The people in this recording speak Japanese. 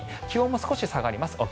気温も少し下がります。